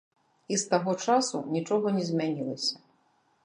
І з таго часу нічога не змянілася.